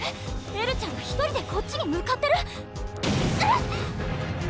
エルちゃんが１人でこっちに向かってる⁉・・うわっ！